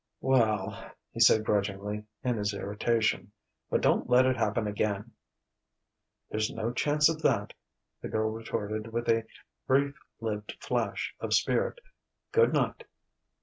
"Well ..." he said grudgingly, in his irritation. "But don't let it happen again." "There's no chance of that," the girl retorted with a brief lived flash of spirit. "Good night."